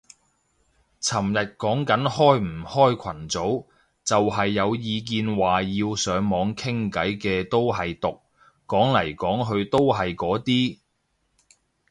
尋日講緊開唔開群組，就係有意見話要上網傾偈嘅都係毒，講嚟講去都係嗰啲